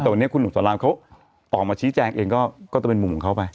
แต่วันนี้คุณหนุ่มสอนรามเขาออกมาชี้แจงเองก็จะเป็นมุมของเขาไป